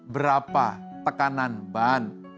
berapa tekanan ban